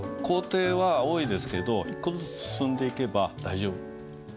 工程は多いですけど一個ずつ進んでいけば大丈夫。